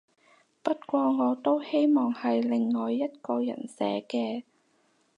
不過我都希望係另外一個人寫嘅